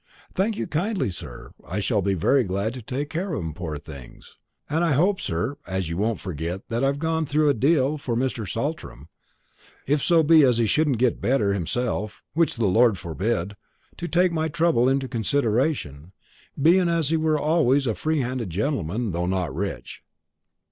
"Thank you kindly, sir; which I shall be very glad to take care of 'em, poor things. And I hope, sir, as you won't forget that I've gone through a deal for Mr. Saltram if so be as he shouldn't get better himself, which the Lord forbid to take my trouble into consideration, bein' as he were always a free handed gentleman, though not rich."